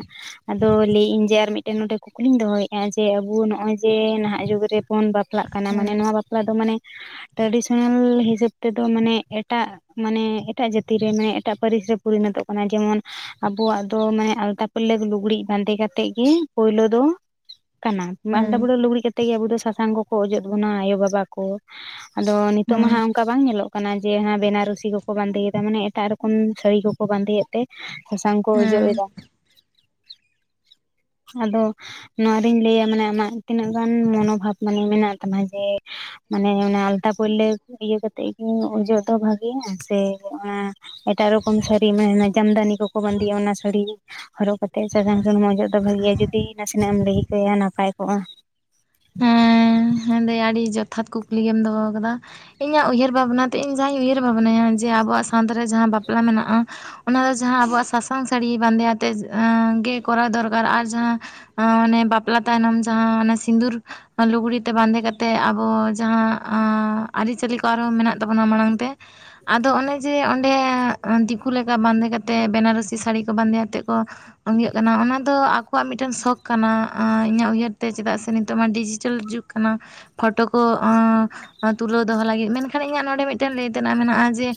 ᱟᱫᱚ ᱞᱟᱹᱭᱟᱹᱧ ᱡᱮ ᱟᱨ ᱢᱤᱫᱴᱮᱱ ᱱᱚᱰᱮ ᱠᱩᱠᱞᱤᱧ ᱫᱚᱦᱚᱭᱮᱜ-ᱟ ᱡᱮ ᱟᱵᱚ ᱱᱚᱜ-ᱚᱭ ᱡᱮ ᱱᱟᱦᱟᱜ ᱡᱩᱜᱽ ᱨᱮᱼᱼ ᱯᱚᱱ ᱵᱟᱯᱞᱟᱜ ᱠᱟᱱᱟ ᱢᱟᱱᱮ ᱦᱮᱸ ᱱᱚᱣᱟ ᱵᱟᱯᱞᱟ ᱫᱚ ᱢᱟᱱᱮ ᱴᱨᱟᱰᱤᱥᱚᱱᱟᱞ ᱦᱤᱥᱟᱹᱵ ᱛᱮᱫᱚ ᱢᱟᱱᱮᱼᱼ ᱮᱴᱟᱜ ᱢᱟᱱᱮ ᱮᱴᱟᱜ ᱡᱟᱹᱛᱤ ᱨᱮ ᱢᱟᱱᱮ ᱮᱴᱟᱜ ᱯᱟᱹᱨᱤᱥ ᱨᱮ ᱯᱚᱨᱤᱱᱚᱛᱚᱜ ᱠᱟᱱᱟ ᱡᱮᱢᱚᱱᱼᱼ ᱟᱵᱚᱣᱟᱜ ᱫᱚ ᱢᱟᱱᱮ ᱟᱞᱛᱟ ᱯᱟᱹᱞᱞᱟᱹᱠ ᱞᱩᱜᱽᱲᱤᱡ ᱵᱟᱸᱫᱮ ᱠᱟᱛᱮᱜ ᱜᱮ ᱯᱳᱭᱞᱳ ᱫᱚᱼᱼ ᱠᱟᱱᱟ ᱦᱮᱸ ᱟᱞᱫᱟ ᱵᱩᱨᱟᱹ ᱞᱩᱜᱽᱲᱤ ᱠᱟᱛᱮᱜ ᱜᱮ ᱟᱵᱩ ᱫᱚ ᱥᱟᱥᱟᱝ ᱠᱚᱠᱚ ᱚᱡᱚᱜ ᱵᱚᱱᱟ ᱟᱭᱳᱼᱵᱟᱵᱟ ᱠᱚᱼᱼ ᱟᱫᱚ ᱱᱤᱛᱳᱜ ᱢᱟ ᱦᱟᱸᱜ ᱦᱮᱸ ᱚᱱᱠᱟ ᱵᱟᱝ ᱧᱮᱞᱚᱜ ᱠᱟᱱᱟ᱾ ᱡᱮ ᱵᱮᱱᱟᱨᱩᱥᱤ ᱠᱚᱠᱚ ᱵᱟᱸᱫᱮᱭᱮᱫᱟ ᱢᱟᱱᱮ ᱮᱴᱟᱜ ᱨᱚᱠᱚᱢ ᱥᱟᱹᱲᱤ ᱠᱚᱠᱚ ᱵᱟᱸᱫᱮᱭᱮᱫ ᱛᱮᱼᱼ ᱥᱟᱥᱟᱝ ᱠᱚ ᱚᱡᱚᱜ ᱦᱮᱸ ᱮᱫᱟ᱾ ᱟᱫᱚ ᱱᱚᱣᱟ ᱨᱮᱧ ᱞᱟᱹᱭᱟ ᱢᱟᱱᱮ ᱟᱢᱟᱜ ᱛᱤᱱᱟᱹᱜ ᱜᱟᱱ ᱢᱚᱱᱳᱵᱷᱟᱵ ᱢᱟᱱᱮ ᱢᱮᱱᱟᱜ ᱛᱟᱢᱟ ᱡᱮᱼᱼ ᱢᱟᱱᱮ ᱚᱱᱟ ᱟᱞᱛᱟ ᱯᱟᱹᱞᱞᱟᱹᱠ ᱤᱭᱟᱹ ᱠᱟᱛᱮᱜ ᱜᱮ ᱚᱡᱚᱜ ᱫᱚ ᱵᱷᱟᱜᱮᱭᱟ ᱥᱮ ᱚᱱᱟᱼᱼ ᱮᱴᱟᱜ ᱨᱚᱠᱚᱢ ᱥᱟᱹᱲᱤ ᱡᱟᱢᱫᱟᱱᱤ ᱠᱚᱠᱚ ᱵᱟᱸᱫᱮᱭᱟ ᱚᱱᱟ ᱥᱟᱹᱲᱤ ᱦᱚᱨᱚᱜ ᱠᱟᱛᱮᱜ ᱥᱟᱥᱟᱝ ᱥᱩᱱᱩᱢ ᱚᱡᱚᱜᱼᱼ ᱵᱷᱟᱹᱜᱮᱭᱟ ᱡᱩᱫᱤ ᱱᱟᱥᱮᱱᱟᱜ ᱮᱢ ᱞᱟᱹᱭ ᱠᱮᱭᱟ ᱱᱟᱯᱟᱭ ᱠᱚᱜᱼᱟ, ᱦᱮᱸ ᱦᱮᱸ ᱫᱟᱹᱭ ᱟᱹᱰᱤ ᱡᱚᱛᱷᱟᱛ ᱠᱩᱠᱞᱤ ᱜᱮᱢ ᱫᱚᱦᱚ ᱟᱠᱟᱫᱟ᱾ ᱤᱧᱟᱹᱜ ᱩᱭᱦᱟᱹᱨ ᱵᱷᱟᱵᱽᱱᱟᱛᱮ ᱤᱧ ᱡᱟᱦᱟᱸᱧ ᱩᱭᱦᱟᱹᱨ ᱵᱷᱟᱵᱽᱱᱟᱭᱟ ᱡᱮ ᱟᱵᱚᱣᱟᱜ ᱥᱟᱶᱛᱟ ᱨᱮ ᱡᱟᱦᱟᱸ ᱵᱟᱯᱞᱟ ᱢᱮᱱᱟᱜᱼᱟ᱾ ᱚᱱᱟ ᱫᱚ ᱡᱟᱦᱟᱸ ᱟᱵᱚᱣᱟᱜ ᱥᱟᱥᱟᱝ ᱥᱟᱹᱲᱤ ᱵᱟᱸᱫᱮ ᱟᱛᱮᱫ ᱜᱮ ᱠᱚᱨᱟᱣ ᱫᱚᱨᱠᱟᱨ ᱟᱨ ᱡᱟᱦᱟᱸᱼᱼ ᱚᱱᱮ ᱵᱟᱯᱞᱟ ᱛᱟᱭᱱᱚᱢ ᱡᱟᱦᱟᱸ ᱚᱱᱮ ᱥᱤᱸᱫᱩᱨᱼᱼ ᱞᱩᱜᱽᱲᱤ ᱛᱮ ᱵᱟᱸᱫᱮ ᱠᱟᱛᱮᱫ ᱟᱵᱚ ᱡᱟᱦᱟᱸ ᱟᱹᱨᱤᱪᱟᱹᱞᱤ ᱠᱚ ᱟᱨᱦᱚᱸ ᱢᱮᱱᱟᱜ ᱛᱟᱵᱚᱱᱟ ᱢᱟᱲᱟᱝ ᱛᱮ᱾ ᱟᱫᱚ ᱚᱱᱮ ᱡᱮ ᱚᱸᱰᱮ ᱫᱤᱠᱩ ᱞᱮᱠᱟ ᱵᱟᱸᱫᱮ ᱠᱟᱛᱮᱫ ᱵᱮᱱᱟᱨᱚᱥᱤ ᱥᱟᱹᱲᱤ ᱠᱚ ᱵᱟᱸᱫᱮ ᱠᱟᱛᱮᱫ ᱠᱚᱼᱼ ᱤᱭᱟᱹᱜ ᱠᱟᱱᱟ ᱚᱱᱟ ᱫᱚ ᱟᱠᱚᱣᱟᱜ ᱢᱤᱫᱴᱮᱱ ᱥᱚᱠᱷ ᱠᱟᱱᱟ ᱤᱧᱟᱹᱜ ᱩᱭᱦᱟᱹᱨ ᱛᱮ ᱪᱮᱫᱟᱜ ᱥᱮ ᱱᱤ ᱛᱚᱜ ᱢᱟ ᱰᱤᱡᱤᱴᱮᱞ ᱡᱩᱜᱽ ᱠᱟᱱᱟ, ᱯᱷᱳᱴᱳ ᱠᱚ ᱛᱩᱞᱟᱹᱣ ᱫᱚᱦᱚ ᱞᱟᱹᱜᱤᱫ ᱢᱮᱱᱠᱷᱟᱱ ᱤᱧᱟᱹᱜ ᱱᱚᱰᱮ ᱢᱤᱫᱴᱟᱱ ᱞᱟᱹᱭ ᱛᱮᱱᱟᱜ ᱢᱮᱱᱟᱜᱼᱟ ᱡᱮᱼᱼ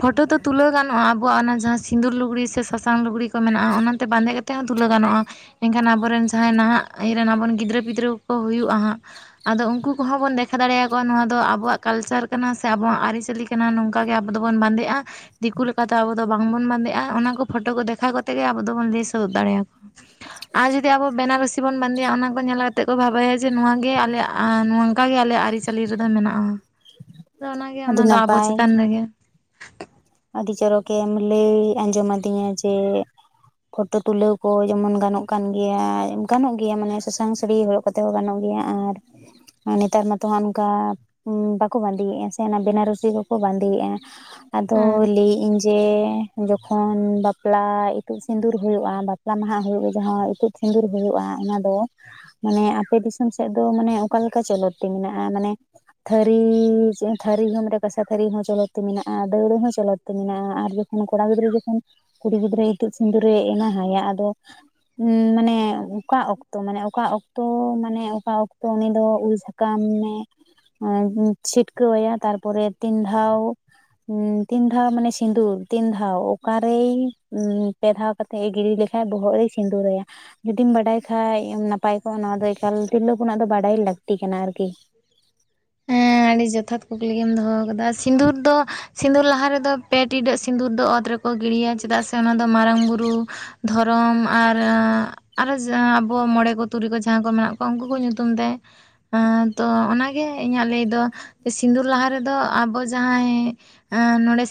ᱯᱷᱳᱴᱳ ᱫᱚ ᱛᱩᱞᱟᱹᱣ ᱜᱟᱱᱚᱜᱼᱟ ᱟᱵᱚᱣᱟᱜ ᱚᱱᱟ ᱡᱟᱦᱟᱸ ᱥᱤᱸᱫᱩᱨ ᱞᱩᱜᱽᱲᱤ ᱥᱮ ᱥᱟᱥᱟᱝ ᱞᱩᱜᱽᱲᱤ ᱠᱚ ᱢᱮᱱᱟᱜᱼᱟ ᱚᱱᱟᱛᱮ ᱵᱟᱸᱫᱮ ᱠᱟᱛᱮᱼᱼ ᱛᱮ ᱦᱚᱸ ᱛᱩᱞᱟᱹᱣ ᱜᱟᱱᱚᱜᱼᱟ ᱮᱱᱠᱷᱟᱱ ᱟᱵᱚᱨᱮᱱ ᱡᱟᱦᱟᱸᱭ ᱱᱟᱦᱟᱜ ᱨᱮᱱ ᱟᱵᱚ ᱜᱤᱫᱽᱨᱟᱹ ᱯᱤᱫᱽᱨᱟᱹ ᱠᱚ ᱦᱩᱭᱩᱜᱼᱟ ᱦᱟᱸᱜᱼᱼ ᱟᱫᱚ ᱩᱱᱠᱩ ᱠᱚᱦᱚᱸ ᱵᱚᱱ ᱫᱮᱠᱷᱟᱣ ᱫᱟᱲᱮᱭᱟᱠᱚᱣᱟ ᱱᱚᱣᱟ ᱫᱚ ᱟᱵᱚᱣᱟᱜ ᱠᱟᱞᱪᱟᱨ ᱠᱟᱱᱟ ᱥᱮ ᱟᱵᱚᱣᱟᱜ ᱟᱹᱨᱤ ᱪᱟᱹᱞᱤᱼᱼ ᱠᱟᱱᱟ ᱱᱚᱝᱠᱟ ᱜᱮ ᱟᱵᱚ ᱫᱚᱵᱚᱱ ᱵᱟᱸᱫᱮᱜᱼᱟ᱾ ᱫᱤᱠᱩ ᱞᱮᱠᱟᱛᱮ ᱟᱵᱚ ᱫᱚ ᱵᱟᱝᱵᱚᱱ ᱵᱟᱸᱫᱮᱜᱼᱟ ᱚᱱᱟ ᱠᱚ ᱯᱷᱳᱴᱳ ᱠᱚ ᱫᱮᱠᱷᱟᱣ ᱠᱟᱛᱮᱜ ᱜᱮ ᱟᱵᱚ ᱫᱚᱵᱚᱱ ᱞᱟᱹᱭ ᱥᱚᱫᱚᱨ ᱫᱟᱲᱮᱭᱟ ᱠᱚᱣᱟ᱾ ᱟᱨ ᱡᱩᱫᱤ ᱟᱵᱚ ᱵᱮᱱᱟᱨᱚᱥᱤ ᱵᱚᱱ ᱵᱟᱸᱫᱮᱭᱟ ᱚᱱᱟ ᱠᱚ ᱧᱮᱞ ᱠᱟᱛᱮᱫᱼᱼ ᱠᱚ ᱵᱷᱟᱵᱟᱭᱟ ᱡᱮ ᱱᱚᱣᱟ ᱜᱮ ᱟᱞᱮᱭᱟᱜ ᱱᱚ ᱱᱚᱝᱠᱟᱜ ᱜᱮ ᱟᱞᱮᱭᱟᱜ ᱟᱹᱨᱤ ᱪᱟᱹᱞᱤ ᱨᱮᱫᱚ ᱢᱮᱱᱟᱜᱼᱟ᱾ ᱟᱫᱚ ᱚᱱᱟᱜᱮ ᱟᱹᱰᱤ ᱚᱱᱟ ᱫᱚ ᱟᱵᱚ ᱱᱟᱯᱟᱭ ᱪᱮᱛᱟᱱ ᱨᱮᱜᱮ᱾ ᱟᱹᱰᱤ ᱪᱚᱨᱚᱠᱮᱢ ᱞᱟᱹᱭ ᱟᱸᱡᱚᱢᱟᱫᱤᱧᱟ ᱡᱮᱼᱼ ᱯᱷᱳᱴᱳ ᱛᱩᱞᱟᱹᱣ ᱠᱚ ᱡᱮᱢᱚᱱ ᱜᱟᱱᱚᱜ ᱠᱟᱱ ᱜᱮᱭᱟ ᱜᱟᱱᱚᱜ ᱜᱮᱭᱟ ᱢᱟᱱᱮ ᱥᱟᱥᱟᱝ ᱥᱟᱹᱲᱤ ᱦᱚᱨᱚᱜᱼᱼ ᱠᱚᱛᱮ ᱦᱚᱸ ᱜᱟᱱᱚᱜ ᱜᱮᱭᱟ ᱟᱨ ᱱᱮᱛᱟᱨ ᱢᱟᱛᱚ ᱦᱟᱸᱜ ᱚᱱᱠᱟᱼᱼ ᱵᱟᱠᱚ ᱵᱟᱸᱫᱮᱭᱮᱜᱼᱟ ᱥᱮ ᱚᱱᱟ ᱵᱮᱱᱟᱨᱩᱥᱤ ᱠᱚᱠᱚ ᱵᱟᱸᱫᱮᱭᱮᱫᱼᱟ᱾ ᱛᱚ ᱦᱮᱸ ᱞᱟᱹᱭᱮᱫ ᱤᱧ ᱡᱮᱼᱼ ᱡᱚᱠᱷᱚᱱ ᱵᱟᱯᱞᱟ ᱤᱛᱩᱫ ᱥᱤᱸᱫᱩᱨ ᱦᱩᱭᱩᱜᱼᱟ ᱵᱟᱯᱞᱟ ᱢᱟᱦᱟ ᱦᱩᱭᱩᱜ ᱜᱮ ᱡᱟᱦᱟᱸ ᱤᱛᱩᱫᱼᱼ ᱥᱤᱸᱫᱩᱨ ᱦᱩᱭᱩᱜᱼᱟ ᱚᱱᱟ ᱫᱚᱼᱼ ᱢᱟᱱᱮ ᱟᱯᱮ ᱫᱤᱥᱚᱢ ᱥᱮᱫ ᱫᱚ ᱢᱟᱱᱮ ᱚᱠᱟᱞᱮᱠᱟ ᱪᱚᱞᱚᱛ ᱛᱤ ᱢᱮᱱᱟᱜᱼᱟ ᱢᱟᱱᱮᱼᱼ ᱛᱷᱟᱹᱨᱤ ᱛᱷᱟᱹᱨᱤ ᱦᱚᱸ ᱨᱮ ᱠᱟᱥᱟ ᱛᱷᱟᱹᱨᱤ ᱦᱚᱸ ᱪᱚᱞᱚᱛᱤ ᱢᱮᱱᱟᱜᱼᱟ᱾ ᱫᱟ. ᱣᱲᱟᱹ ᱦᱚᱸ ᱪᱚᱞᱚᱛᱤ ᱢᱮᱱᱟᱜᱼᱟ ᱟᱨ ᱡᱚᱠᱷᱚᱱ ᱠᱚᱲᱟ ᱜᱤᱫᱽᱨᱟᱹ ᱡᱚᱠᱷᱚᱱᱼᱼ ᱠᱩᱲᱤ ᱜᱤᱫᱽᱨᱟᱹ ᱤᱛᱩᱫ ᱥᱤᱸᱫᱩᱨᱮ ᱮᱢᱟᱣᱟᱭᱟ ᱟᱫᱚᱼᱼ ᱢᱟᱱᱮ ᱚᱠᱟ ᱚᱠᱛᱚ ᱢᱟᱱᱮ ᱚᱠᱟ ᱚᱠᱛᱚ ᱢᱟᱱᱮ ᱚᱠᱟ ᱚᱠᱛᱚ ᱩᱱᱤ ᱫᱚ ᱩᱞ ᱥᱟ ᱥᱟᱠᱟᱢᱮ ᱪᱷᱤᱴᱠᱟᱹᱣᱟᱭᱟ ᱛᱟᱨᱯᱚᱨᱮ ᱛᱤᱱ ᱫᱷᱟᱣᱼᱼ ᱛᱤᱱᱫᱷᱟᱣ ᱢᱟᱱᱮ ᱥᱤᱸᱫᱩᱨ ᱛᱤᱱᱫᱷᱟᱣ ᱚᱠᱟᱨᱮᱭ ᱯᱮ ᱫᱷᱟᱣᱼᱼ ᱠᱟᱛᱮ ᱮ ᱜᱤᱰᱤ ᱞᱮᱠᱷᱟᱡ ᱵᱚᱦᱚᱜ ᱨᱮᱭ ᱥᱤᱸᱫᱩᱨᱟᱭᱟ᱾ ᱡᱩᱫᱤᱢ ᱵᱟᱰᱟᱭ ᱠᱷᱟᱡ ᱱᱟᱯᱟᱭ ᱠᱚᱜᱼᱟ ᱱᱚᱣᱟ ᱫᱚ ᱮᱠᱟᱞ ᱛᱤᱨᱞᱟᱹ ᱦᱚᱯᱚᱱᱟᱜ ᱫᱚ ᱵᱟᱰᱟᱭ ᱞᱟᱹᱠᱛᱤ ᱠᱟᱱᱟ ᱟᱨᱠᱤ [inaudible] ᱦᱮᱸ ᱟᱹᱰᱤ ᱡᱚᱛᱷᱟᱛ ᱠᱩᱠᱞᱤ ᱜᱮᱢ ᱫᱚᱦᱚ ᱠᱟᱫᱟ ᱥᱤᱸᱫᱩᱨ ᱫᱚ ᱥᱤᱸᱫᱩᱨ ᱞᱟᱦᱟ ᱨᱮᱫᱚ ᱯᱮ ᱴᱤᱰᱟᱹᱜ ᱥᱤᱸᱫᱩᱨ ᱫᱚ ᱚᱛ ᱨᱮᱠᱚ ᱠᱚ ᱜᱤᱲᱤᱭᱟ ᱪᱮᱫᱟᱜ ᱥᱮ ᱚᱱᱟ ᱫᱚ ᱢᱟᱨᱟᱝ ᱵᱩᱨᱩ, ᱫᱷᱚᱨᱚᱢ ᱟᱨ ᱟᱨ ᱦᱚᱸ ᱡᱟᱸ ᱟᱵᱚ ᱢᱚᱬᱮ ᱠᱚ ᱛᱩᱨᱩᱭ ᱠᱚ ᱡᱟᱦᱟᱸᱭ ᱠᱚ ᱢᱮᱱᱟᱜ ᱠᱚᱣᱟ ᱩᱱᱠᱩ ᱠᱚ ᱧᱩᱛᱩᱢ ᱛᱮ ᱮᱸ ᱛᱚ ᱚᱱᱟᱜᱮ ᱤᱧᱟᱹᱜ ᱞᱟᱹᱭ ᱫᱚ ᱥᱤᱸᱫᱩᱨ ᱞᱟᱦᱟ ᱨᱮᱫᱚ ᱟᱵᱚ ᱡᱟᱦᱟᱸᱭ ᱮᱸ ᱱᱚᱰᱮ